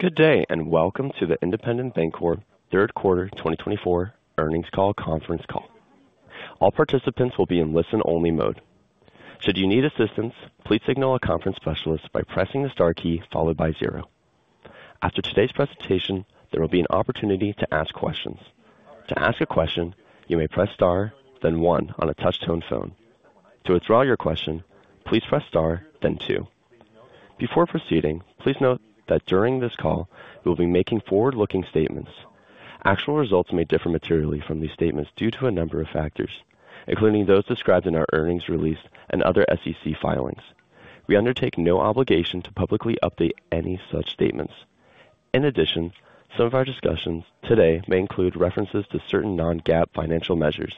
Good day, and welcome to the Independent Bank Corp Third Quarter 2024 earnings call conference call. All participants will be in listen-only mode. Should you need assistance, please signal a conference specialist by pressing the star key followed by zero. After today's presentation, there will be an opportunity to ask questions. To ask a question, you may press Star, then one on a touch-tone phone. To withdraw your question, please press Star, then two. Before proceeding, please note that during this call, we will be making forward-looking statements. Actual results may differ materially from these statements due to a number of factors, including those described in our earnings release and other SEC filings. We undertake no obligation to publicly update any such statements. In addition, some of our discussions today may include references to certain non-GAAP financial measures.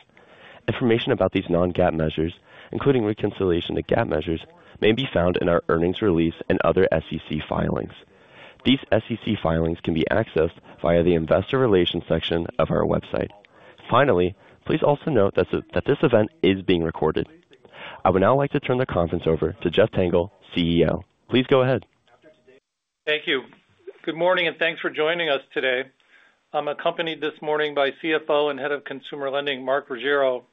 Information about these non-GAAP measures, including reconciliation to GAAP measures, may be found in our earnings release and other SEC filings. These SEC filings can be accessed via the Investor Relations section of our website. Finally, please also note that this event is being recorded. I would now like to turn the conference over to Jeff Tengel, CEO. Please go ahead. Thank you. Good morning, and thanks for joining us today. I'm accompanied this morning by CFO and Head of Consumer Lending, Mark Ruggiero.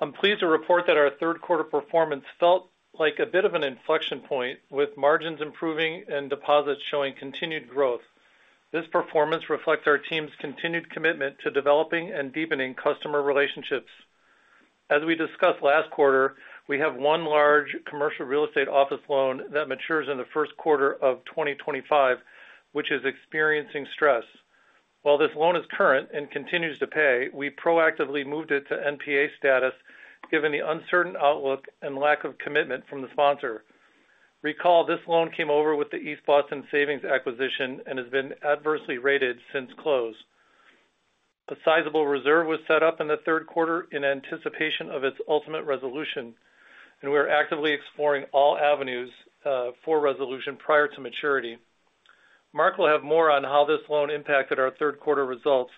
I'm pleased to report that our third quarter performance felt like a bit of an inflection point, with margins improving and deposits showing continued growth. This performance reflects our team's continued commitment to developing and deepening customer relationships. As we discussed last quarter, we have one large commercial real estate office loan that matures in the first quarter of 2025, which is experiencing stress. While this loan is current and continues to pay, we proactively moved it to NPA status, given the uncertain outlook and lack of commitment from the sponsor. Recall, this loan came over with the East Boston Savings acquisition and has been adversely rated since close. A sizable reserve was set up in the third quarter in anticipation of its ultimate resolution, and we are actively exploring all avenues for resolution prior to maturity. Mark will have more on how this loan impacted our third quarter results.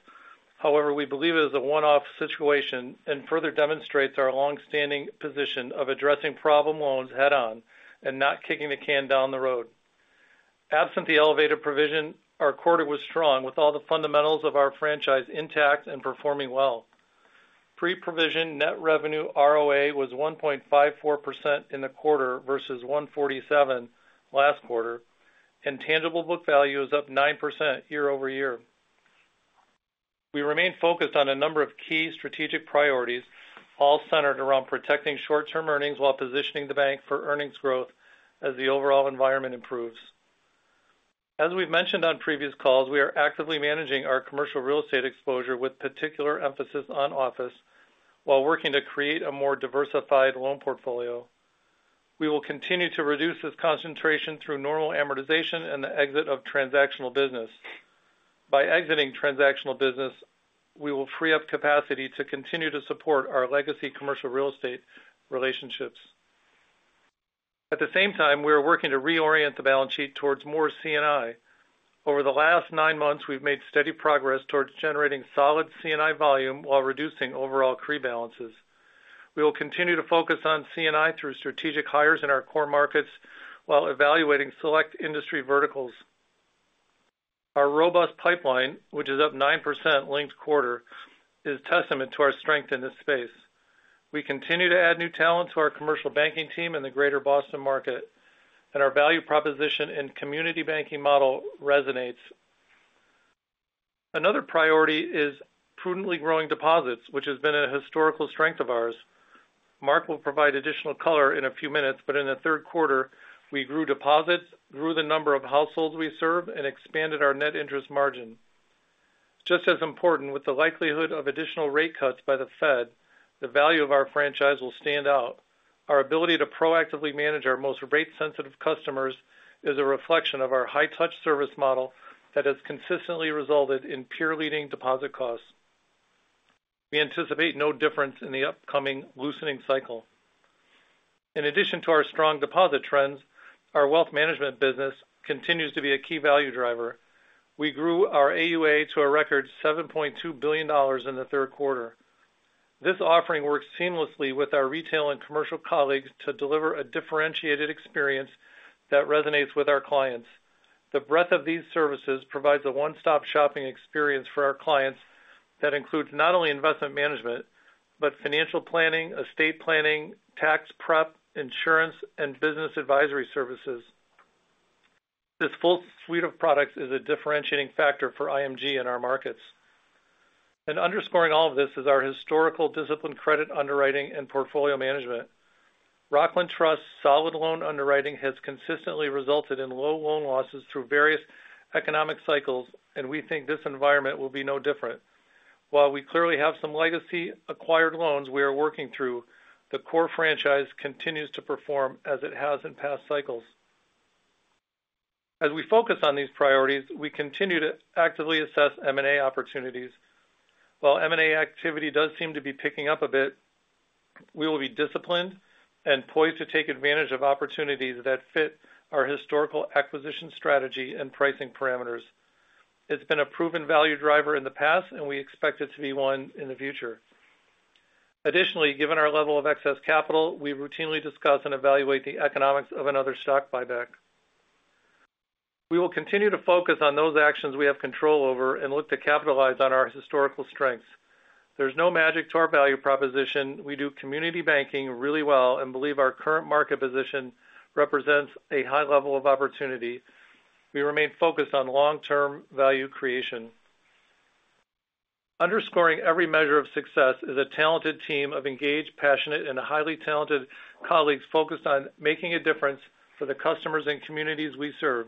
However, we believe it is a one-off situation and further demonstrates our long-standing position of addressing problem loans head-on and not kicking the can down the road. Absent the elevated provision, our quarter was strong, with all the fundamentals of our franchise intact and performing well. Pre-provision net revenue ROA was 1.54% in the quarter versus 1.47% last quarter, and tangible book value is up 9% year over year. We remain focused on a number of key strategic priorities, all centered around protecting short-term earnings while positioning the bank for earnings growth as the overall environment improves. As we've mentioned on previous calls, we are actively managing our commercial real estate exposure with particular emphasis on office, while working to create a more diversified loan portfolio. We will continue to reduce this concentration through normal amortization and the exit of transactional business. By exiting transactional business, we will free up capacity to continue to support our legacy commercial real estate relationships. At the same time, we are working to reorient the balance sheet towards more C&I. Over the last nine months, we've made steady progress towards generating solid C&I volume while reducing overall CRE balances. We will continue to focus on C&I through strategic hires in our core markets while evaluating select industry verticals. Our robust pipeline, which is up 9% linked quarter, is testament to our strength in this space. We continue to add new talent to our commercial banking team in the greater Boston market, and our value proposition and community banking model resonates. Another priority is prudently growing deposits, which has been a historical strength of ours. Mark will provide additional color in a few minutes, but in the third quarter, we grew deposits, grew the number of households we serve, and expanded our net interest margin. Just as important, with the likelihood of additional rate cuts by the Fed, the value of our franchise will stand out. Our ability to proactively manage our most rate-sensitive customers is a reflection of our high-touch service model that has consistently resulted in peer-leading deposit costs. We anticipate no difference in the upcoming loosening cycle. In addition to our strong deposit trends, our wealth management business continues to be a key value driver. We grew our AUA to a record $7.2 billion in the third quarter. This offering works seamlessly with our retail and commercial colleagues to deliver a differentiated experience that resonates with our clients. The breadth of these services provides a one-stop shopping experience for our clients that includes not only investment management, but financial planning, estate planning, tax prep, insurance, and business advisory services. This full suite of products is a differentiating factor for IMG in our markets, and underscoring all of this is our historically disciplined credit underwriting and portfolio management. Rockland Trust's solid loan underwriting has consistently resulted in low loan losses through various economic cycles, and we think this environment will be no different. While we clearly have some legacy acquired loans we are working through, the core franchise continues to perform as it has in past cycles. As we focus on these priorities, we continue to actively assess M&A opportunities. While M&A activity does seem to be picking up a bit, we will be disciplined and poised to take advantage of opportunities that fit our historical acquisition strategy and pricing parameters. It's been a proven value driver in the past, and we expect it to be one in the future.... Additionally, given our level of excess capital, we routinely discuss and evaluate the economics of another stock buyback. We will continue to focus on those actions we have control over and look to capitalize on our historical strengths. There's no magic to our value proposition. We do community banking really well and believe our current market position represents a high level of opportunity. We remain focused on long-term value creation. Underscoring every measure of success is a talented team of engaged, passionate, and highly talented colleagues focused on making a difference for the customers and communities we serve.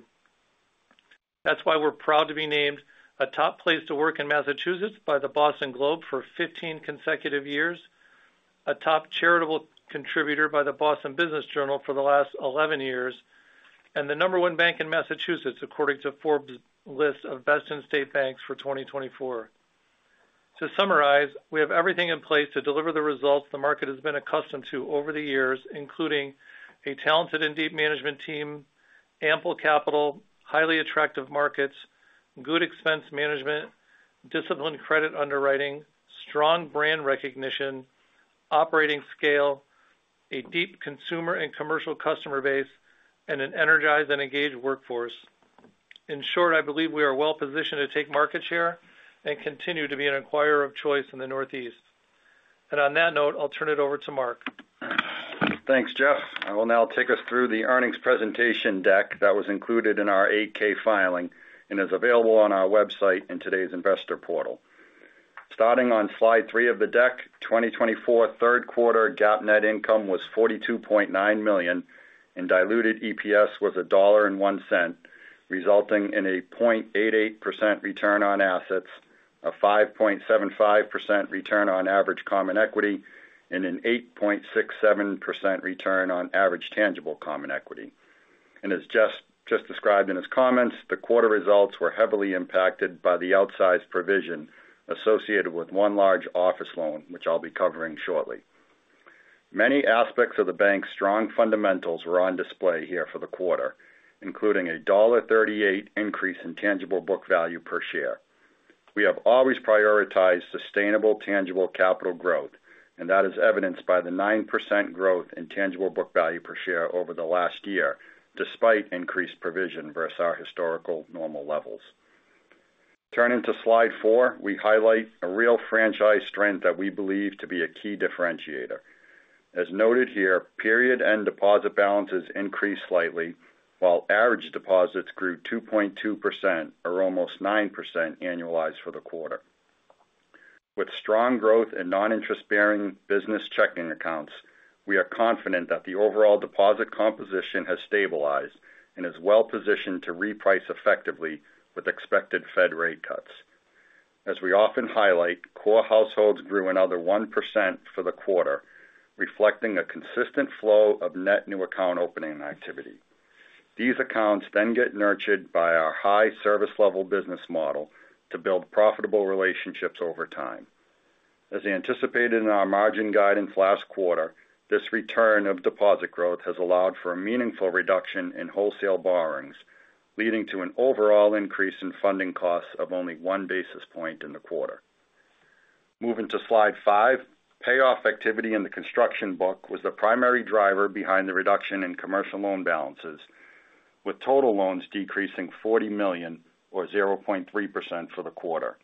That's why we're proud to be named a top place to work in Massachusetts by The Boston Globe for fifteen consecutive years, a top charitable contributor by the Boston Business Journal for the last eleven years, and the number one bank in Massachusetts, according to Forbes list of Best-In-State Banks for 2024. To summarize, we have everything in place to deliver the results the market has been accustomed to over the years, including a talented and deep management team, ample capital, highly attractive markets, good expense management, disciplined credit underwriting, strong brand recognition, operating scale, a deep consumer and commercial customer base, and an energized and engaged workforce. In short, I believe we are well positioned to take market share and continue to be an acquirer of choice in the Northeast. And on that note, I'll turn it over to Mark. Thanks, Jeff. I will now take us through the earnings presentation deck that was included in our 8-K filing and is available on our website in today's investor portal. Starting on slide three of the deck, 2024 third quarter GAAP net income was $42.9 million, and diluted EPS was $1.01, resulting in a 0.88% return on assets, a 5.75% return on average common equity, and an 8.67% return on average tangible common equity. And as Jeff just described in his comments, the quarter results were heavily impacted by the outsized provision associated with one large office loan, which I'll be covering shortly. Many aspects of the bank's strong fundamentals were on display here for the quarter, including a $1.38 increase in tangible book value per share. We have always prioritized sustainable, tangible capital growth, and that is evidenced by the 9% growth in tangible book value per share over the last year, despite increased provision versus our historical normal levels. Turning to slide four, we highlight a real franchise strength that we believe to be a key differentiator. As noted here, period end deposit balances increased slightly, while average deposits grew 2.2% or almost 9% annualized for the quarter. With strong growth in non-interest-bearing business checking accounts, we are confident that the overall deposit composition has stabilized and is well positioned to reprice effectively with expected Fed rate cuts. As we often highlight, core households grew another 1% for the quarter, reflecting a consistent flow of net new account opening activity. These accounts then get nurtured by our high service level business model to build profitable relationships over time. As anticipated in our margin guidance last quarter, this return of deposit growth has allowed for a meaningful reduction in wholesale borrowings, leading to an overall increase in funding costs of only one basis point in the quarter. Moving to slide five, payoff activity in the construction book was the primary driver behind the reduction in commercial loan balances, with total loans decreasing $40 million or 0.3% for the quarter.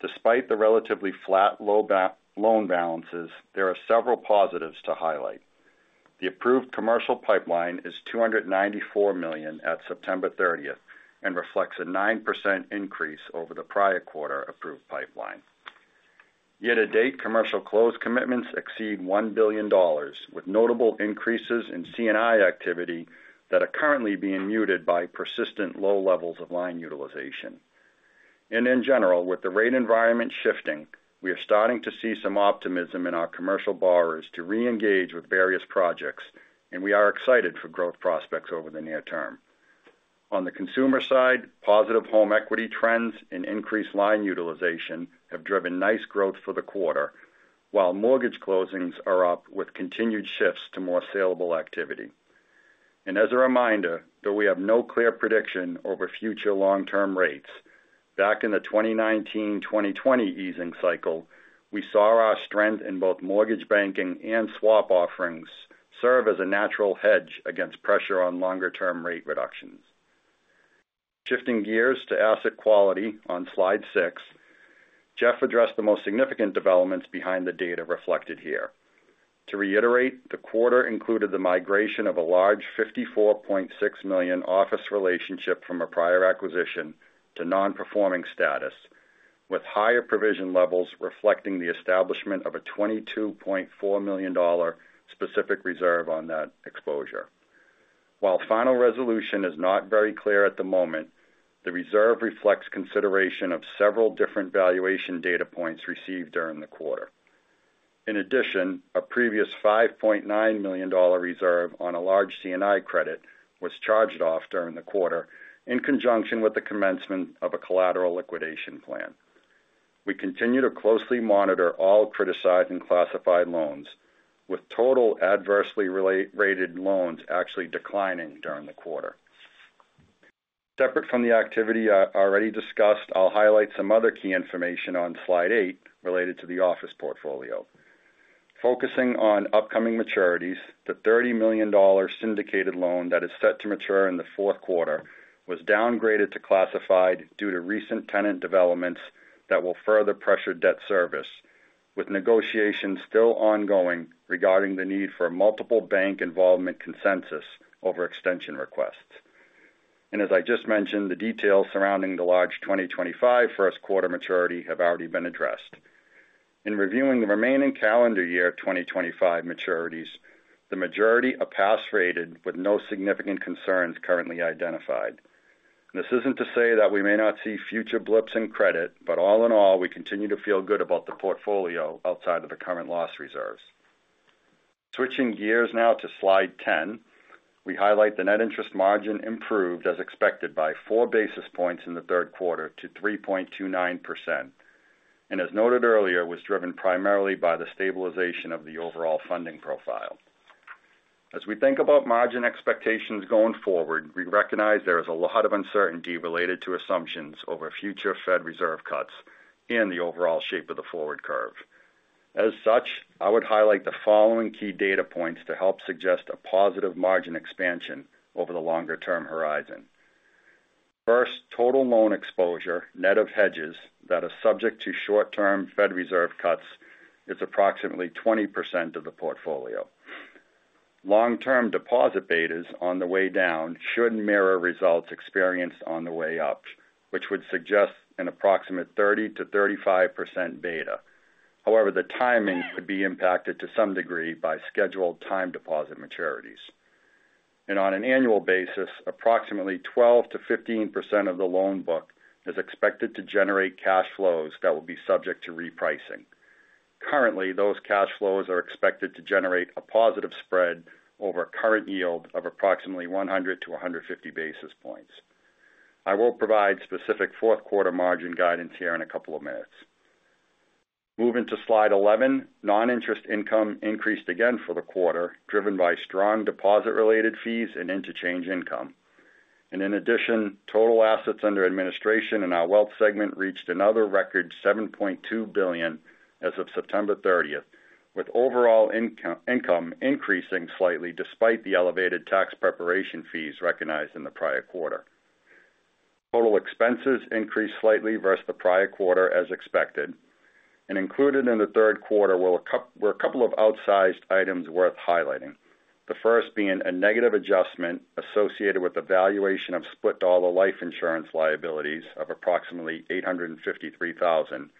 Despite the relatively flat loan balances, there are several positives to highlight. The approved commercial pipeline is $294 million at September thirtieth and reflects a 9% increase over the prior quarter approved pipeline. Year to date, commercial closed commitments exceed $1 billion, with notable increases in C&I activity that are currently being muted by persistent low levels of line utilization. In general, with the rate environment shifting, we are starting to see some optimism in our commercial borrowers to reengage with various projects, and we are excited for growth prospects over the near term. On the consumer side, positive home equity trends and increased line utilization have driven nice growth for the quarter, while mortgage closings are up with continued shifts to more saleable activity. As a reminder, though, we have no clear prediction over future long-term rates. Back in the 2019, 2020 easing cycle, we saw our strength in both mortgage banking and swap offerings serve as a natural hedge against pressure on longer-term rate reductions. Shifting gears to asset quality on slide six, Jeff addressed the most significant developments behind the data reflected here. To reiterate, the quarter included the migration of a large $54.6 million office relationship from a prior acquisition to non-performing status, with higher provision levels reflecting the establishment of a $22.4 million specific reserve on that exposure. While final resolution is not very clear at the moment, the reserve reflects consideration of several different valuation data points received during the quarter. In addition, a previous $5.9 million reserve on a large C&I credit was charged off during the quarter in conjunction with the commencement of a collateral liquidation plan. We continue to closely monitor all criticized and classified loans, with total adversely rated loans actually declining during the quarter. Separate from the activity I already discussed, I'll highlight some other key information on slide eight related to the office portfolio. Focusing on upcoming maturities, the $30 million syndicated loan that is set to mature in the fourth quarter was downgraded to classified due to recent tenant developments that will further pressure debt service, with negotiations still ongoing regarding the need for multiple bank involvement consensus over extension requests. And as I just mentioned, the details surrounding the large 2025 first quarter maturity have already been addressed. In reviewing the remaining calendar year 2025 maturities, the majority are pass rated with no significant concerns currently identified. This isn't to say that we may not see future blips in credit, but all in all, we continue to feel good about the portfolio outside of the current loss reserves. Switching gears now to slide 10. We highlight the net interest margin improved as expected by four basis points in the third quarter to 3.29%, and as noted earlier, was driven primarily by the stabilization of the overall funding profile. As we think about margin expectations going forward, we recognize there is a lot of uncertainty related to assumptions over future Fed Reserve cuts and the overall shape of the forward curve. As such, I would highlight the following key data points to help suggest a positive margin expansion over the longer-term horizon. First, total loan exposure, net of hedges that are subject to short-term Fed Reserve cuts, is approximately 20% of the portfolio. Long-term deposit betas on the way down should mirror results experienced on the way up, which would suggest an approximate 30%-35% beta. However, the timing could be impacted to some degree by scheduled time deposit maturities. And on an annual basis, approximately 12-15% of the loan book is expected to generate cash flows that will be subject to repricing. Currently, those cash flows are expected to generate a positive spread over current yield of approximately 100-150 basis points. I will provide specific fourth quarter margin guidance here in a couple of minutes. Moving to slide 11. Non-interest income increased again for the quarter, driven by strong deposit-related fees and interchange income. And in addition, total assets under administration in our wealth segment reached another record $7.2 billion as of September thirtieth, with overall income increasing slightly despite the elevated tax preparation fees recognized in the prior quarter. Total expenses increased slightly versus the prior quarter, as expected, and included in the third quarter were a couple of outsized items worth highlighting. The first being a negative adjustment associated with the valuation of split dollar life insurance liabilities of approximately $853,000,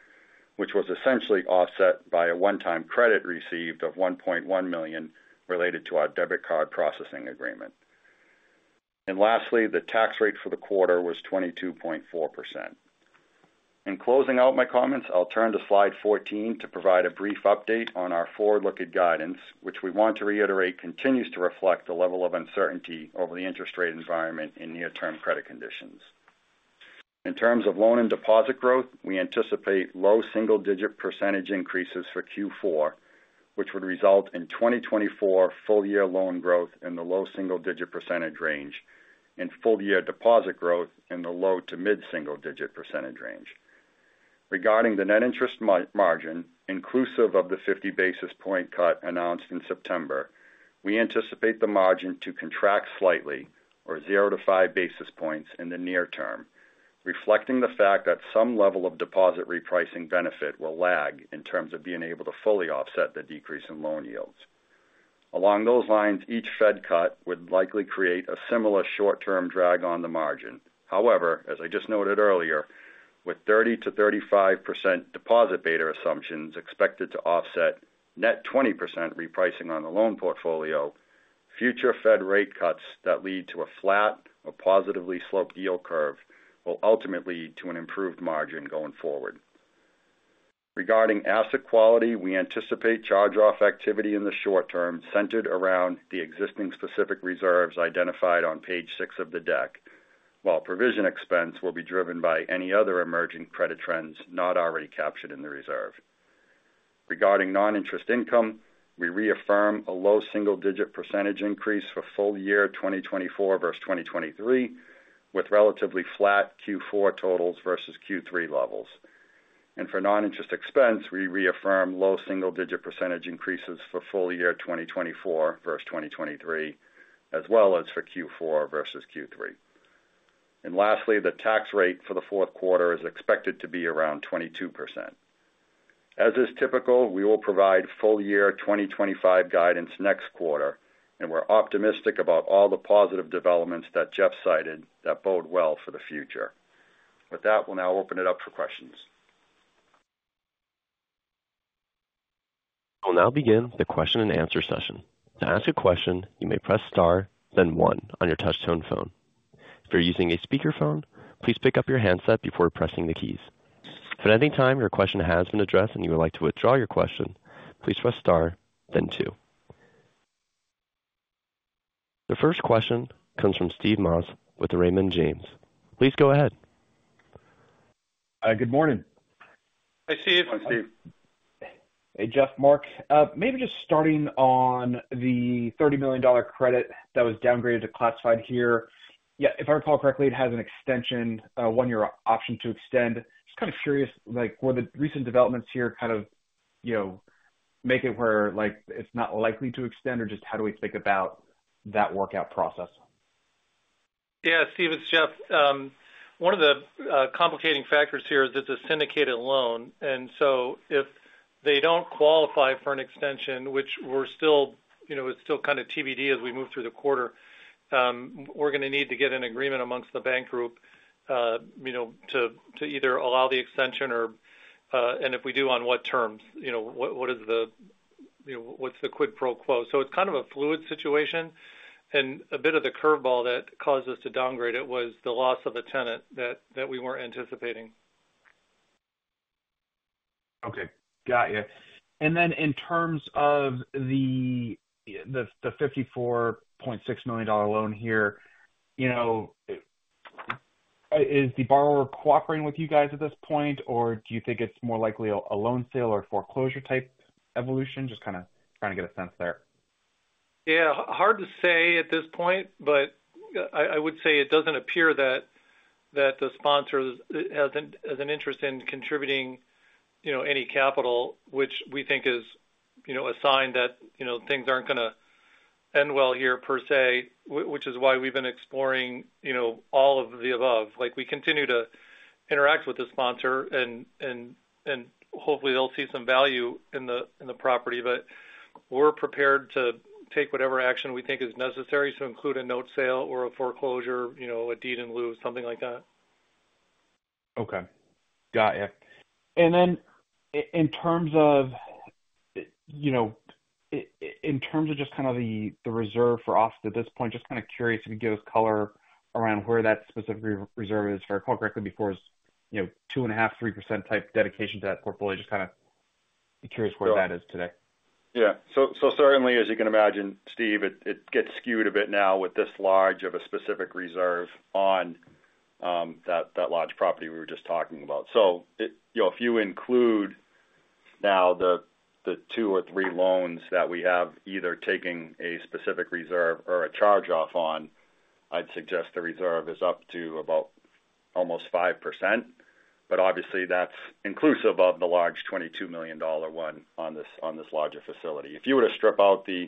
which was essentially offset by a one-time credit received of $1.1 million related to our debit card processing agreement. And lastly, the tax rate for the quarter was 22.4%. In closing out my comments, I'll turn to slide 14 to provide a brief update on our forward-looking guidance, which we want to reiterate, continues to reflect the level of uncertainty over the interest rate environment in near-term credit conditions. In terms of loan and deposit growth, we anticipate low single-digit % increases for Q4, which would result in 2024 full-year loan growth in the low single-digit % range and full-year deposit growth in the low to mid single-digit % range. Regarding the net interest margin, inclusive of the 50 basis point cut announced in September, we anticipate the margin to contract slightly, or 0-5 basis points in the near term, reflecting the fact that some level of deposit repricing benefit will lag in terms of being able to fully offset the decrease in loan yields. Along those lines, each Fed cut would likely create a similar short-term drag on the margin. However, as I just noted earlier, with 30%-35% deposit beta assumptions expected to offset net 20% repricing on the loan portfolio, future Fed rate cuts that lead to a flat or positively sloped yield curve will ultimately lead to an improved margin going forward. Regarding asset quality, we anticipate charge-off activity in the short term, centered around the existing specific reserves identified on page 6 of the deck, while provision expense will be driven by any other emerging credit trends not already captured in the reserve. Regarding non-interest income, we reaffirm a low single-digit % increase for full year 2024 versus 2023, with relatively flat Q4 totals versus Q3 levels. For non-interest expense, we reaffirm low single-digit % increases for full year 2024 versus 2023, as well as for Q4 versus Q3.Lastly, the tax rate for the fourth quarter is expected to be around 22%. As is typical, we will provide full year 2025 guidance next quarter, and we're optimistic about all the positive developments that Jeff cited that bode well for the future. With that, we'll now open it up for questions. We'll now begin the question-and-answer session. To ask a question, you may press Star, then one on your touchtone phone. If you're using a speakerphone, please pick up your handset before pressing the keys. If at any time your question has been addressed and you would like to withdraw your question, please press Star, then two. The first question comes from Steve Moss with Raymond James. Please go ahead. Good morning. Hi, Steve. Hi, Steve. Hey, Jeff, Mark. Maybe just starting on the $30 million credit that was downgraded to classified here. Yeah, if I recall correctly, it has an extension, one-year option to extend. Just kind of curious, like, will the recent developments here kind of, you know, make it where, like, it's not likely to extend? Or just how do we think about that workout process? Yeah, Steve, it's Jeff. One of the complicating factors here is it's a syndicated loan, and so if they don't qualify for an extension, which we're still, you know, it's still kind of TBD as we move through the quarter, we're going to need to get an agreement amongst the bank group, you know, to either allow the extension or... And if we do, on what terms? You know, what, what is the, you know, what's the quid pro quo? So it's kind of a fluid situation and a bit of the curveball that caused us to downgrade it was the loss of the tenant that we weren't anticipating. Okay. Got you. And then in terms of the $54.6 million loan here, you know, is the borrower cooperating with you guys at this point, or do you think it's more likely a loan sale or foreclosure-type evolution? Just kind of trying to get a sense there. Yeah, hard to say at this point, but I would say it doesn't appear that the sponsor has an interest in contributing, you know, any capital, which we think is, you know, a sign that, you know, things aren't going to end well here, per se. Which is why we've been exploring, you know, all of the above. Like, we continue to interact with the sponsor and hopefully they'll see some value in the property. But we're prepared to take whatever action we think is necessary to include a note sale or a foreclosure, you know, a deed in lieu, something like that. Okay. Got you. And then in terms of, you know, just kind of the reserve for office at this point, just kind of curious if you could give us color around where that specific reserve is. If I recall correctly, before it's, you know, 2.5-3% type dedication to that portfolio. Just kind of curious where that is today. Yeah. So certainly, as you can imagine, Steve, it gets skewed a bit now with this large of a specific reserve on that large property we were just talking about. It you know, if you include now the two or three loans that we have, either taking a specific reserve or a charge-off on, I'd suggest the reserve is up to about almost 5%. But obviously, that's inclusive of the large $22 million one on this larger facility. If you were to strip out the,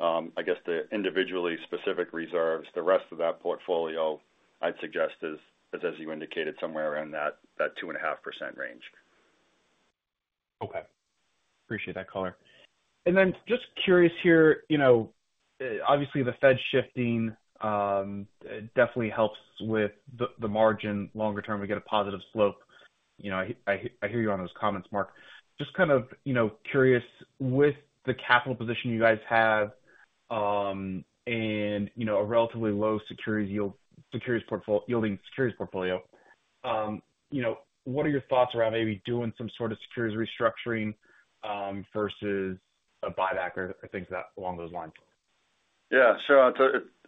I guess, the individually specific reserves, the rest of that portfolio, I'd suggest is, as you indicated, somewhere around that two and a half percent range. Okay. Appreciate that color. And then just curious here, you know, obviously the Fed shifting definitely helps with the margin. Longer term, we get a positive slope. You know, I hear you on those comments, Mark. Just kind of, you know, curious, with the capital position you guys have, and, you know, a relatively low security yield, yielding securities portfolio, you know, what are your thoughts around maybe doing some sort of securities restructuring versus a buyback or things that along those lines? Yeah, sure.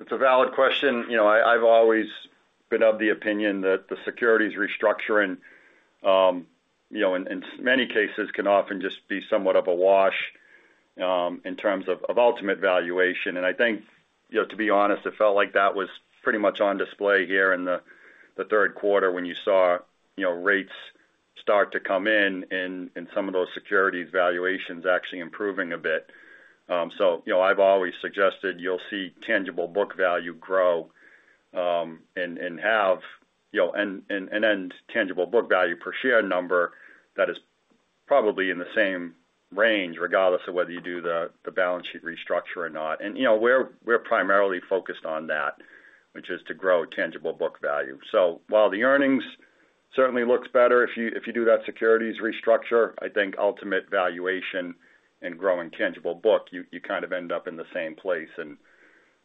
It's a valid question. You know, I've always been of the opinion that the securities restructuring, you know, in many cases, can often just be somewhat of a wash, in terms of ultimate valuation. And I think, you know, to be honest, it felt like that was pretty much on display here in the third quarter when you saw, you know, rates start to come in, and some of those securities valuations actually improving a bit. So, you know, I've always suggested you'll see tangible book value grow, and have, you know, and end tangible book value per share number that is probably in the same range, regardless of whether you do the balance sheet restructure or not. And you know, we're primarily focused on that, which is to grow tangible book value. So while the earnings certainly looks better, if you do that securities restructure, I think ultimate valuation and growing tangible book, you kind of end up in the same place. And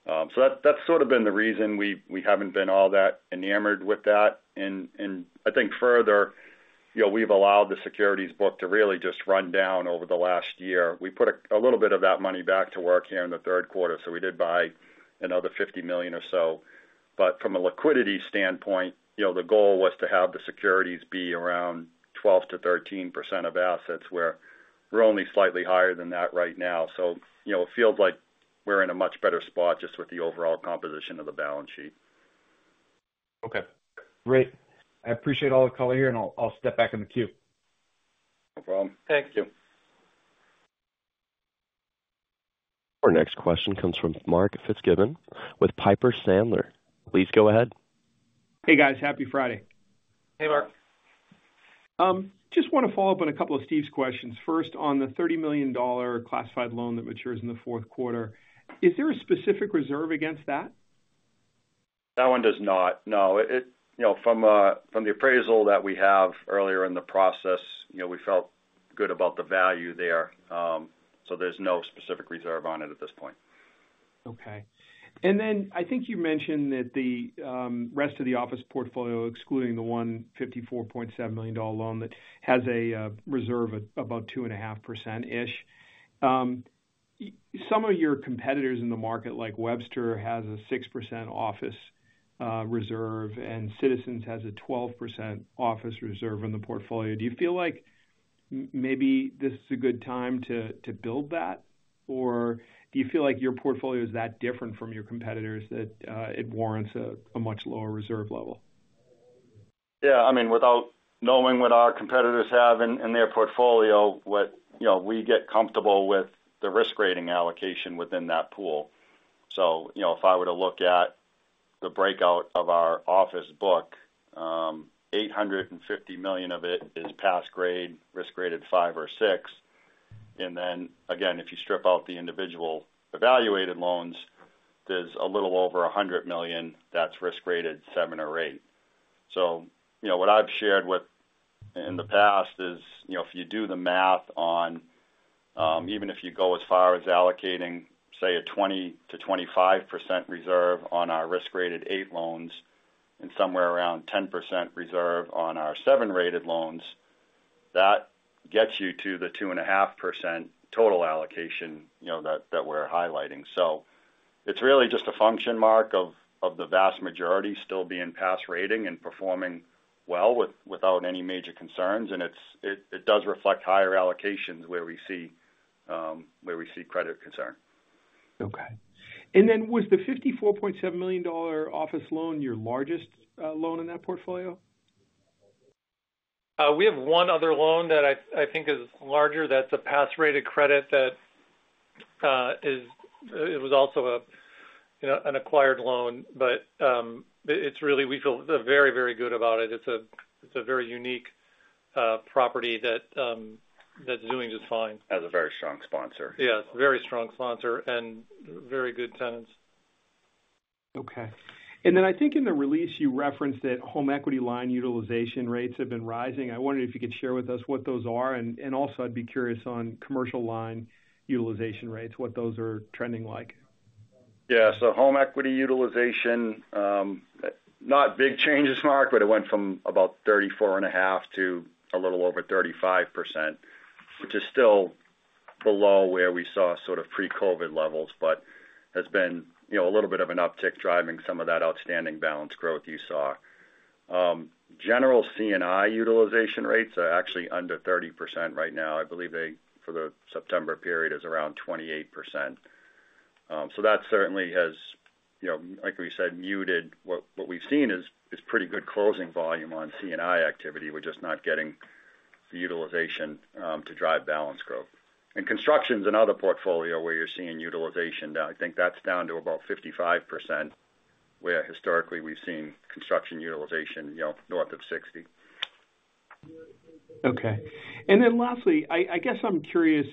so that's sort of been the reason we haven't been all that enamored with that. And I think further, you know, we've allowed the securities book to really just run down over the last year. We put a little bit of that money back to work here in the third quarter, so we did buy another $50 million or so. But from a liquidity standpoint, you know, the goal was to have the securities be around 12%-13% of assets, where we're only slightly higher than that right now. So, you know, it feels like we're in a much better spot just with the overall composition of the balance sheet. Okay, great. I appreciate all the color here, and I'll step back in the queue. No problem. Thank you. Our next question comes from Mark Fitzgibbon with Piper Sandler. Please go ahead. Hey, guys. Happy Friday. Hey, Mark. Just want to follow up on a couple of Steve's questions. First, on the $30 million classified loan that matures in the fourth quarter, is there a specific reserve against that? That one does not. No. It, it-- you know, from, from the appraisal that we have earlier in the process, you know, we felt good about the value there. So there's no specific reserve on it at this point. Okay. And then I think you mentioned that the rest of the office portfolio, excluding the $154.7 million loan, that has a reserve at about 2.5%ish. Some of your competitors in the market, like Webster, has a 6% office reserve, and Citizens has a 12% office reserve in the portfolio. Do you feel like maybe this is a good time to build that? Or do you feel like your portfolio is that different from your competitors that it warrants a much lower reserve level? Yeah, I mean, without knowing what our competitors have in their portfolio, you know, we get comfortable with the risk rating allocation within that pool. So, you know, if I were to look at the breakout of our office book, $850 million of it is pass grade, risk-graded five or six. And then again, if you strip out the individual evaluated loans, there's a little over $100 million that's risk-graded seven or eight. So, you know, what I've shared within the past is, you know, if you do the math on, even if you go as far as allocating, say, a 20%-25% reserve on our risk-graded eight loans and somewhere around 10% reserve on our seven-rated loans, that gets you to the 2.5% total allocation, you know, that we're highlighting. So it's really just a function, Mark, of the vast majority still being pass rating and performing well without any major concerns. And it does reflect higher allocations where we see credit concern. Okay. And then, was the $54.7 million office loan your largest loan in that portfolio? We have one other loan that I think is larger. That's a pass-rated credit that is. It was also a, you know, an acquired loan. But it's really, we feel very very good about it. It's a very unique property that that's doing just fine. Has a very strong sponsor. Yes, very strong sponsor and very good tenants. Okay. And then I think in the release, you referenced that home equity line utilization rates have been rising. I wondered if you could share with us what those are, and, and also I'd be curious on commercial line utilization rates, what those are trending like. Yeah, so home equity utilization, not big changes, Mark, but it went from about 34.5% to a little over 35%, which is still below where we saw sort of pre-COVID levels, but has been, you know, a little bit of an uptick, driving some of that outstanding balance growth you saw. General C&I utilization rates are actually under 30% right now. I believe they, for the September period, is around 28%. So that certainly has, you know, like we said, muted. What we've seen is pretty good closing volume on C&I activity. We're just not getting the utilization to drive balance growth. And construction's another portfolio where you're seeing utilization. I think that's down to about 55%, where historically, we've seen construction utilization, you know, north of 60%. Okay, and then lastly, I guess I'm curious,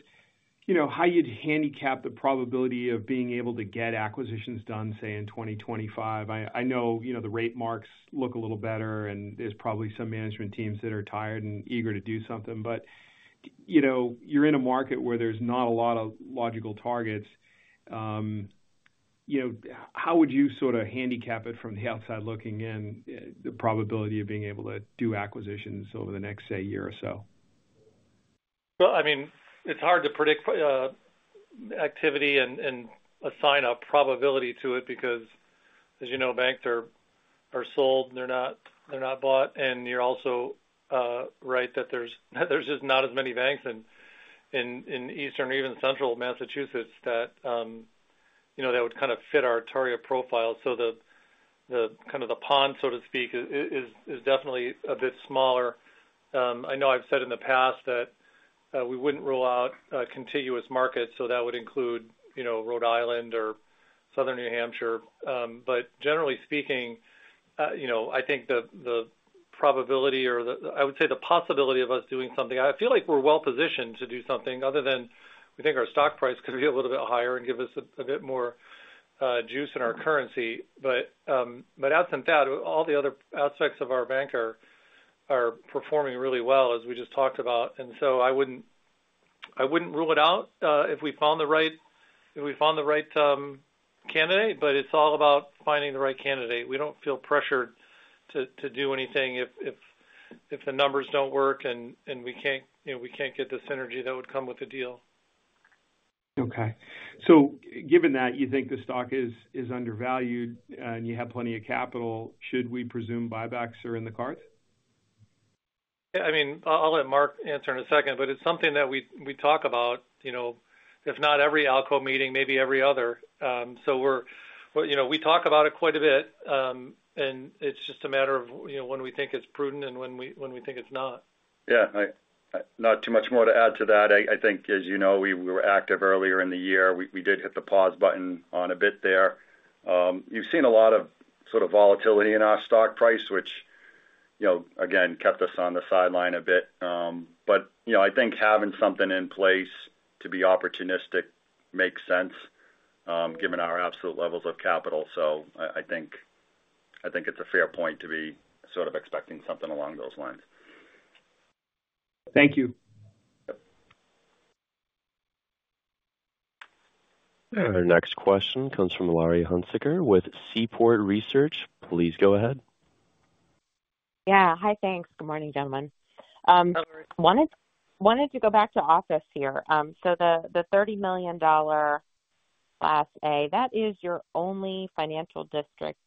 you know, how you'd handicap the probability of being able to get acquisitions done, say, in 2025. I know, you know, the rate marks look a little better, and there's probably some management teams that are tired and eager to do something, but, you know, you're in a market where there's not a lot of logical targets. You know, how would you sort of handicap it from the outside looking in, the probability of being able to do acquisitions over the next, say, year or so? I mean, it's hard to predict activity and assign a probability to it because, as you know, banks are sold, they're not bought. And you're also right that there's just not as many banks in Eastern or even Central Massachusetts that you know that would kind of fit our criteria profile. So the pond, so to speak, is definitely a bit smaller. I know I've said in the past that we wouldn't rule out contiguous markets, so that would include you know Rhode Island or Southern New Hampshire. But generally speaking you know I think the probability or I would say the possibility of us doing something. I feel like we're well positioned to do something, other than we think our stock price could be a little bit higher and give us a bit more juice in our currency, but outside that, all the other aspects of our bank are performing really well, as we just talked about, and so I wouldn't rule it out if we found the right candidate, but it's all about finding the right candidate. We don't feel pressured to do anything if the numbers don't work and we can't, you know, get the synergy that would come with the deal. Okay. So given that, you think the stock is undervalued and you have plenty of capital, should we presume buybacks are in the cards? Yeah, I mean, I'll let Mark answer in a second, but it's something that we talk about, you know, if not every ALCO meeting, maybe every other. So we're, you know, we talk about it quite a bit, and it's just a matter of, you know, when we think it's prudent and when we think it's not. Yeah, not too much more to add to that. I think, as you know, we were active earlier in the year. We did hit the pause button on a bit there. You've seen a lot of sort of volatility in our stock price, which, you know, again, kept us on the sideline a bit. But, you know, I think having something in place to be opportunistic makes sense, given our absolute levels of capital. So I think it's a fair point to be sort of expecting something along those lines. Thank you. Yep. Our next question comes from Laurie Hunsicker with Seaport Research Partners. Please go ahead.... Yeah. Hi, thanks. Good morning, gentlemen. Wanted to go back to office here. So the $30 million Class A, that is your only Financial District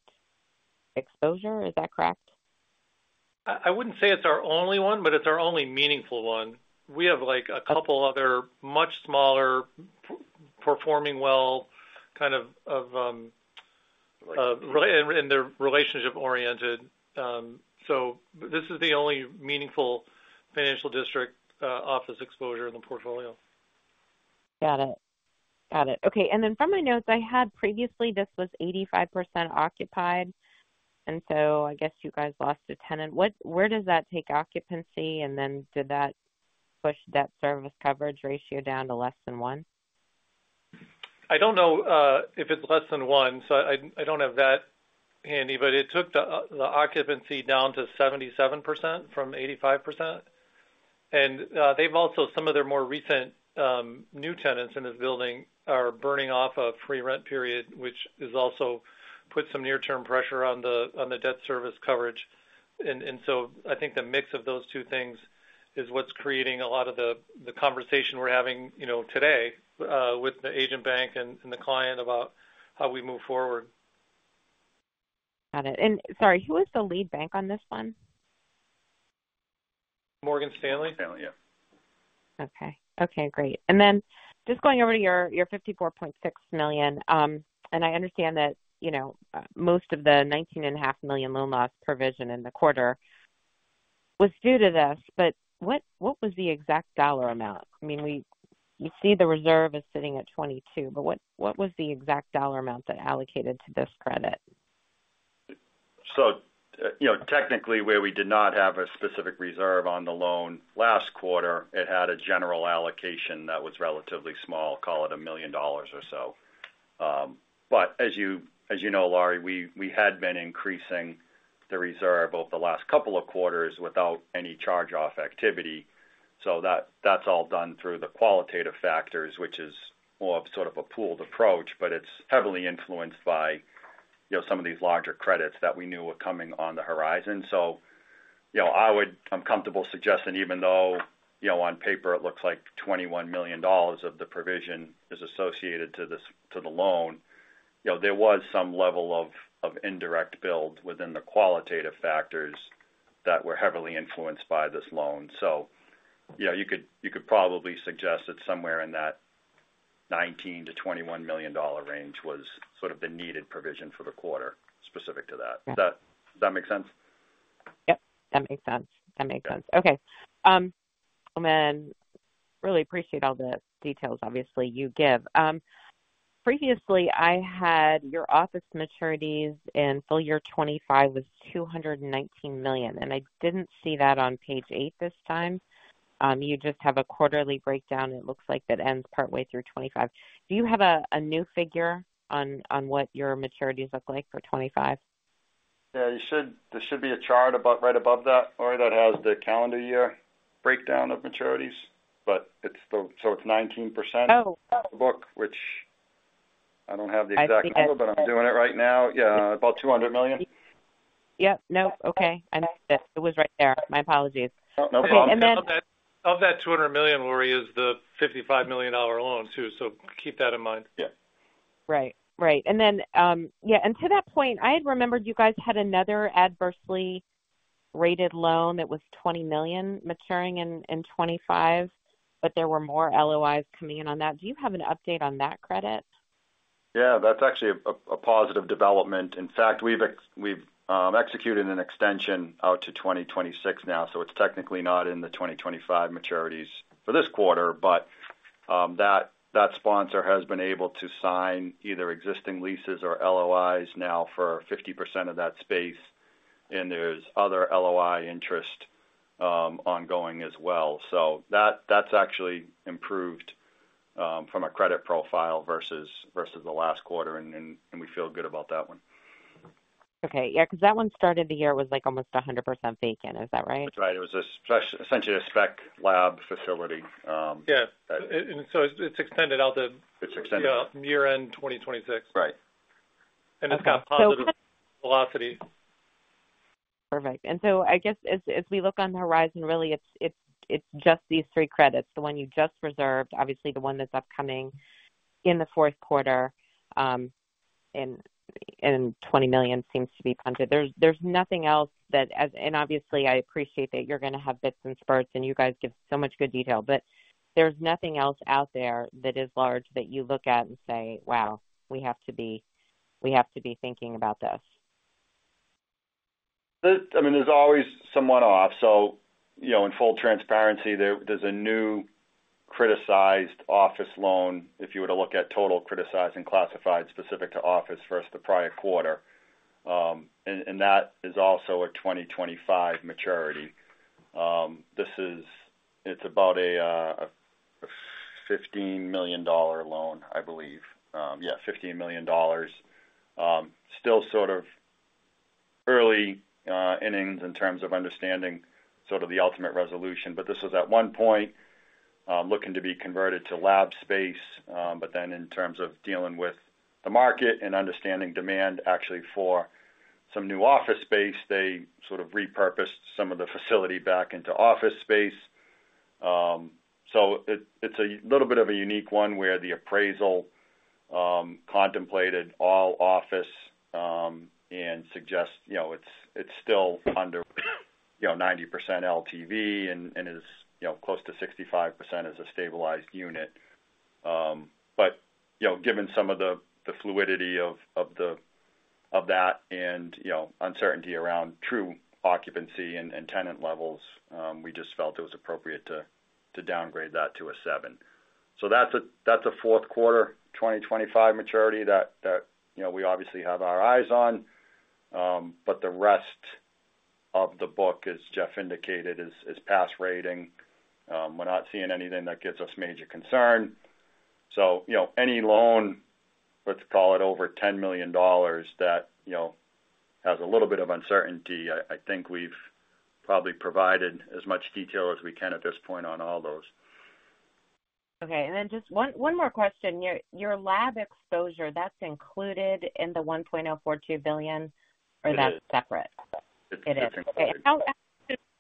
exposure, is that correct? I wouldn't say it's our only one, but it's our only meaningful one. We have, like, a couple other much smaller performing well, kind of, and they're relationship oriented. So this is the only meaningful Financial District office exposure in the portfolio. Got it. Got it. Okay, and then from my notes I had previously, this was 85% occupied, and so I guess you guys lost a tenant. What-- Where does that take occupancy? And then did that push debt service coverage ratio down to less than one? I don't know if it's less than one, so I don't have that handy, but it took the occupancy down to 77% from 85%. And they've also, some of their more recent new tenants in this building are burning off a free rent period, which has also put some near-term pressure on the debt service coverage. And so I think the mix of those two things is what's creating a lot of the conversation we're having, you know, today with the agent bank and the client about how we move forward. Got it. And sorry, who was the lead bank on this one? Morgan Stanley. Stanley, yes. Okay. Okay, great. And then just going over to your $54.6 million, and I understand that, you know, most of the $19.5 million loan loss provision in the quarter was due to this, but what, what was the exact dollar amount? I mean, you see the reserve is sitting at $22 million, but what, what was the exact dollar amount that allocated to this credit? You know, technically, where we did not have a specific reserve on the loan last quarter, it had a general allocation that was relatively small, call it $1 million or so. But as you know, Laurie, we had been increasing the reserve over the last couple of quarters without any charge-off activity. So that's all done through the qualitative factors, which is more of sort of a pooled approach, but it's heavily influenced by, you know, some of these larger credits that we knew were coming on the horizon. So, you know, I would, I'm comfortable suggesting, even though, you know, on paper it looks like $21 million of the provision is associated to this, to the loan. You know, there was some level of indirect build within the qualitative factors that were heavily influenced by this loan. You know, you could probably suggest that somewhere in that $19 million-$21 million range was sort of the needed provision for the quarter, specific to that. Yeah. Does that make sense? Yep, that makes sense. That makes sense. Okay. Okay. And then really appreciate all the details obviously you give. Previously, I had your office maturities in full year 2025 was $219 million, and I didn't see that on page eight this time. You just have a quarterly breakdown. It looks like that ends partway through 2025. Do you have a new figure on what your maturities look like for 2025? Yeah, you should. There should be a chart about right above that, or that has the calendar year breakdown of maturities, but it's... So it's 19%. Oh. book, which I don't have the exact number- I see it. -but I'm doing it right now. Yeah, about $200 million. Yep. Nope. Okay, I missed it. It was right there. My apologies. Oh, no problem. And then- Of that $200 million, Laurie, is the $55 million loan, too, so keep that in mind. Yeah. Right. Right. And then, yeah, and to that point, I had remembered you guys had another adversely rated loan that was $20 million maturing in 2025, but there were more LOIs coming in on that. Do you have an update on that credit? Yeah, that's actually a positive development. In fact, we've executed an extension out to 2026 now, so it's technically not in the 2025 maturities for this quarter, but that sponsor has been able to sign either existing leases or LOIs now for 50% of that space, and there's other LOI interest ongoing as well, so that's actually improved from a credit profile versus the last quarter, and we feel good about that one. Okay. Yeah, because that one started the year with, like, almost 100% vacant. Is that right? That's right. It was essentially a spec lab facility. Yeah, and so it's extended out to- It's extended. Yeah, year-end 2026. Right. It's got positive velocity. Perfect. And so I guess as we look on the horizon, really, it's just these three credits, the one you just reserved, obviously the one that's upcoming in the fourth quarter, and $20 million seems to be punted. There's nothing else that, and obviously, I appreciate that you're going to have bits and spurts, and you guys give so much good detail, but there's nothing else out there that is large that you look at and say, "Wow, we have to be, we have to be thinking about this. I mean, there's always somewhat off. So, you know, in full transparency, there, there's a new criticized office loan. If you were to look at total criticized and classified specific to office versus the prior quarter, and that is also a 2025 maturity. This is-- it's about a $15 million loan, I believe. $15 million. Still sort of early innings in terms of understanding sort of the ultimate resolution, but this was at one point looking to be converted to lab space. But then in terms of dealing with the market and understanding demand, actually for some new office space, they sort of repurposed some of the facility back into office space. So it's a little bit of a unique one, where the appraisal contemplated all office and suggests, you know, it's still under, you know, 90% LTV and is, you know, close to 65% as a stabilized unit. But, you know, given some of the fluidity of that and, you know, uncertainty around true occupancy and tenant levels, we just felt it was appropriate to downgrade that to a seven. So that's a fourth quarter 2025 maturity that, you know, we obviously have our eyes on. But the rest of the book, as Jeff indicated, is pass rating. We're not seeing anything that gives us major concern. So, you know, any loan, let's call it over $10 million, that, you know, has a little bit of uncertainty. I think we've probably provided as much detail as we can at this point on all those. Okay. Then just one more question. Your CRE exposure, that's included in the $1.042 billion- It is. Or that's separate? It is. It is. Okay. How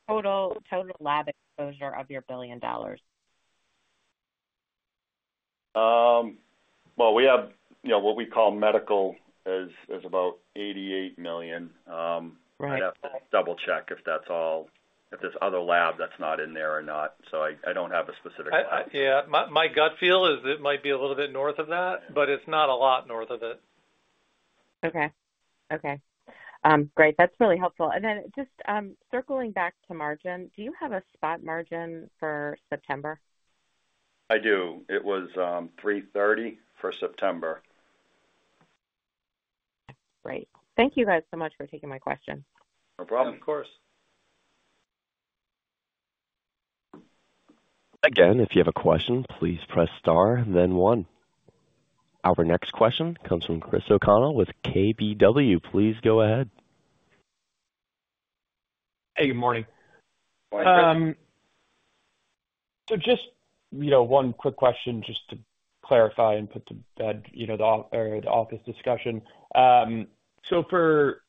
total, total loan exposure of your $1 billion? Well, we have, you know, what we call medical as, as about $88 million. Right. I'd have to double-check if that's all, if there's other lab that's not in there or not, so I don't have a specific lab. Yeah. My gut feel is it might be a little bit north of that, but it's not a lot north of it. Okay. Okay. Great, that's really helpful. And then just, circling back to margin, do you have a spot margin for September? I do. It was 3.30% for September. Great. Thank you guys so much for taking my question. No problem. Of course. Again, if you have a question, please press Star, then One. Our next question comes from Chris O'Connell with KBW. Please go ahead. Hey, good morning. Good morning. So just, you know, one quick question just to clarify and put to bed, you know, the office discussion. So for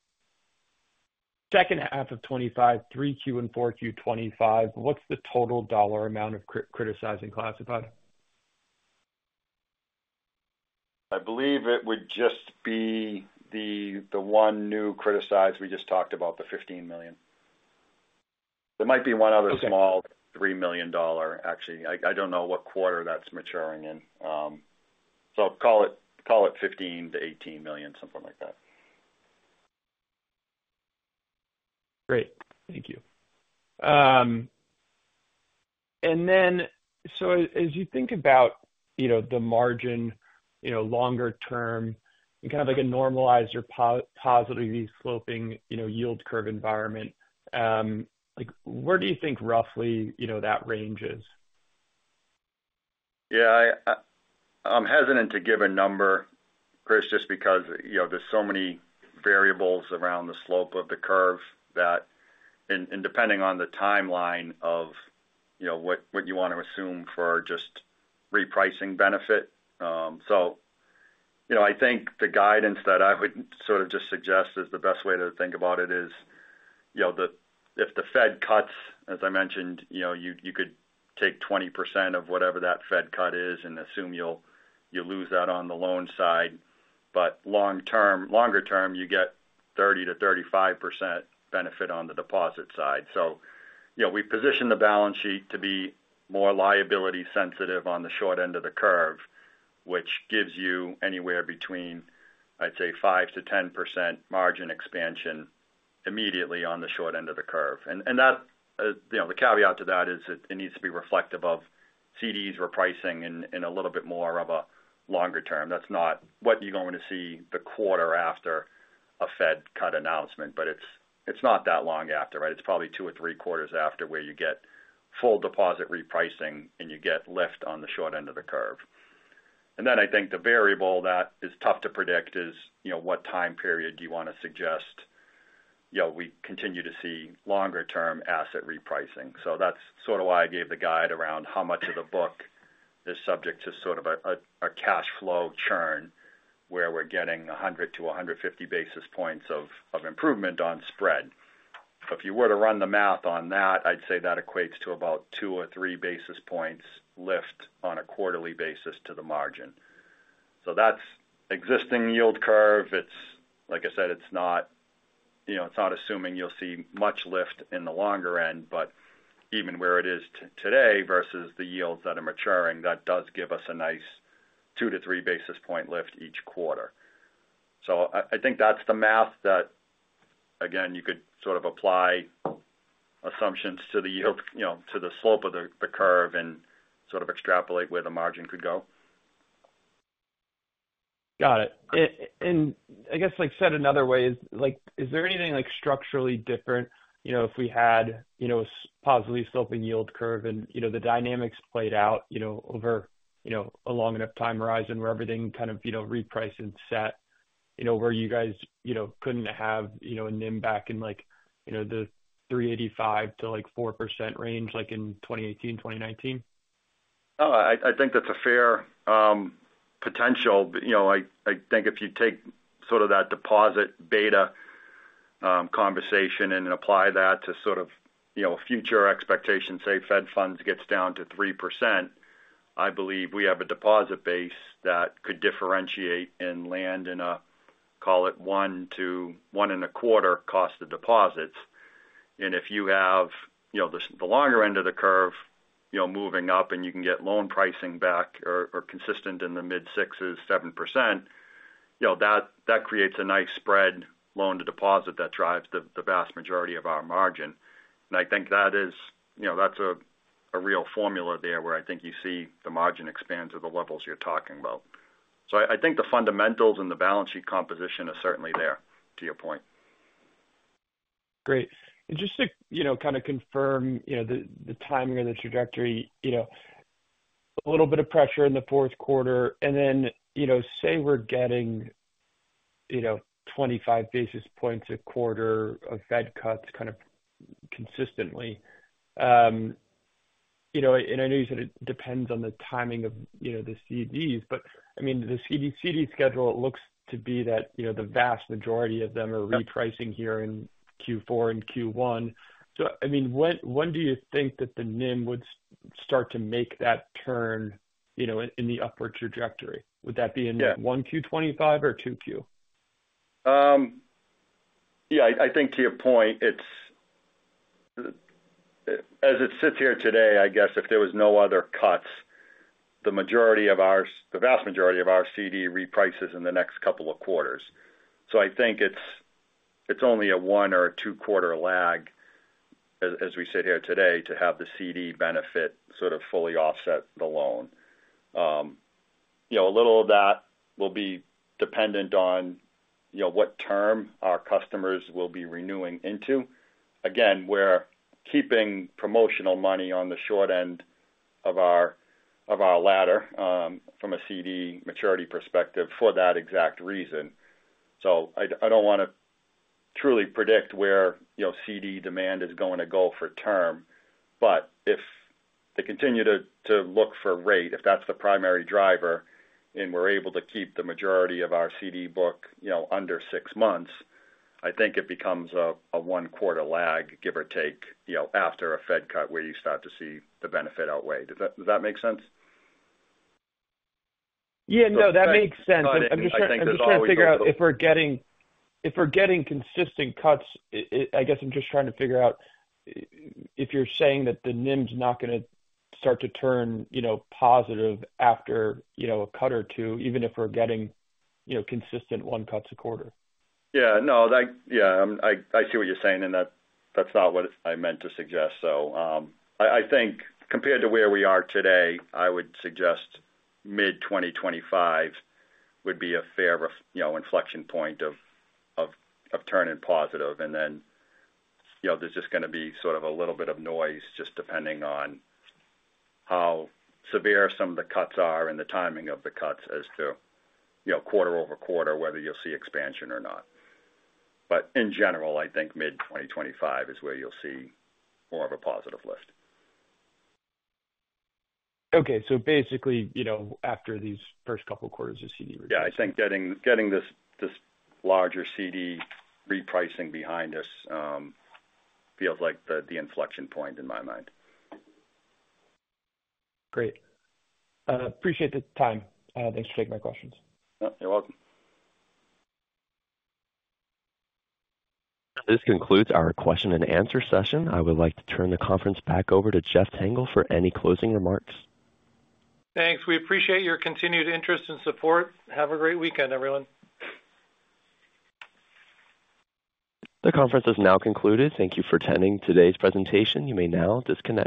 second half of 2025, 3Q and 4Q 2025, what's the total dollar amount of criticized and classified? I believe it would just be the one new criticized. We just talked about the $15 million. There might be one other- Okay. Small $3 million. Actually, I don't know what quarter that's maturing in. So call it $15-$18 million, something like that. Great, thank you. And then so as you think about, you know, the margin, you know, longer term and kind of like a normalized or positively sloping, you know, yield curve environment, like, where do you think roughly, you know, that range is? Yeah, I, I'm hesitant to give a number, Chris, just because, you know, there's so many variables around the slope of the curve that. And depending on the timeline of, you know, what you want to assume for just repricing benefit. So, you know, I think the guidance that I would sort of just suggest is the best way to think about it is, you know, if the Fed cuts, as I mentioned, you know, you could take 20% of whatever that Fed cut is and assume you'll lose that on the loan side. But long term, longer term, you get 30%-35% benefit on the deposit side. So, you know, we position the balance sheet to be more liability sensitive on the short end of the curve, which gives you anywhere between, I'd say, 5%-10% margin expansion immediately on the short end of the curve. And that, you know, the caveat to that is it needs to be reflective of CDs repricing in a little bit more of a longer term. That's not what you're going to see the quarter after a Fed cut announcement, but it's not that long after, right? It's probably two or three quarters after where you get full deposit repricing, and you get lift on the short end of the curve. And then I think the variable that is tough to predict is, you know, what time period do you want to suggest? You know, we continue to see longer-term asset repricing. That's sort of why I gave the guide around how much of the book is subject to sort of a cash flow churn, where we're getting 100-150 basis points of improvement on spread. So if you were to run the math on that, I'd say that equates to about two or three basis points lift on a quarterly basis to the margin. So that's existing yield curve. It's like I said, it's not, you know, it's not assuming you'll see much lift in the longer end, but even where it is today versus the yields that are maturing, that does give us a nice two to three basis point lift each quarter. So I think that's the math that, again, you could sort of apply assumptions to the yield, you know, to the slope of the curve and sort of extrapolate where the margin could go. Got it. And I guess, like, said another way, is, like, is there anything, like, structurally different? You know, if we had, you know, a positively sloping yield curve and, you know, the dynamics played out, you know, over, you know, a long enough time horizon where everything kind of, you know, reprice and set. You know, where you guys, you know, couldn't have, you know, a NIM back in, like, you know, the 3.85%-4% range, like in 2018, 2019? No, I think that's a fair potential. But you know, I think if you take sort of that deposit beta conversation and then apply that to sort of, you know, future expectations, say, Fed funds gets down to 3%, I believe we have a deposit base that could differentiate and land in a, call it, 1%-1.25% cost of deposits. And if you have, you know, the longer end of the curve, you know, moving up and you can get loan pricing back or consistent in the mid-sixes, 7%, you know, that creates a nice spread loan to deposit that drives the vast majority of our margin. And I think that is, you know, that's a real formula there, where I think you see the margin expand to the levels you're talking about. So I think the fundamentals and the balance sheet composition are certainly there, to your point. Great. And just to, you know, kind of confirm, you know, the timing or the trajectory, you know, a little bit of pressure in the fourth quarter, and then, you know, say we're getting, you know, 25 basis points a quarter of Fed cuts kind of consistently. You know, and I know you said it depends on the timing of, you know, the CDs, but, I mean, the CD schedule looks to be that, you know, the vast majority of them are repricing here in Q4 and Q1. So, I mean, when do you think that the NIM would start to make that turn, you know, in the upward trajectory? Would that be in- Yeah... 1Q 2025 or 2Q? Yeah, I think to your point, it's as it sits here today. I guess if there was no other cuts, the vast majority of our CD reprices in the next couple of quarters. So I think it's only a one or a two-quarter lag as we sit here today, to have the CD benefit sort of fully offset the loan. You know, a little of that will be dependent on, you know, what term our customers will be renewing into. Again, we're keeping promotional money on the short end of our ladder, from a CD maturity perspective for that exact reason. So I don't want to truly predict where, you know, CD demand is going to go for term, but if they continue to look for rate, if that's the primary driver, and we're able to keep the majority of our CD book, you know, under six months, I think it becomes a one-quarter lag, give or take, you know, after a Fed cut, where you start to see the benefit outweigh. Does that make sense? Yeah, no, that makes sense. But I think there's always- I'm just trying to figure out if we're getting consistent cuts. I guess I'm just trying to figure out if you're saying that the NIM's not gonna start to turn, you know, positive after, you know, a cut or two, even if we're getting, you know, consistent one cuts a quarter. Yeah. No, like, yeah, I'm - I see what you're saying, and that's not what I meant to suggest. So, I think compared to where we are today, I would suggest mid-2025 would be a fair reference point, you know, inflection point of turning positive. And then, you know, there's just gonna be sort of a little bit of noise, just depending on how severe some of the cuts are and the timing of the cuts as to, you know, quarter over quarter, whether you'll see expansion or not. But in general, I think mid-2025 is where you'll see more of a positive lift. Okay, so basically, you know, after these first couple quarters of CD- Yeah, I think getting this larger CD repricing behind us feels like the inflection point in my mind. Great. Appreciate the time. Thanks for taking my questions. Yep, you're welcome. This concludes our question and answer session. I would like to turn the conference back over to Jeff Tengel for any closing remarks. Thanks. We appreciate your continued interest and support. Have a great weekend, everyone. The conference is now concluded. Thank you for attending today's presentation. You may now disconnect.